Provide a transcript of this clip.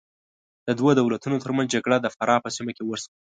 د دوو دولتونو تر منځ جګړه د فراه په سیمه کې وشوه.